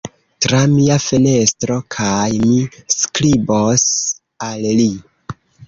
Tra mia fenestro, kaj mi skribos al li.